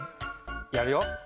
やるよ。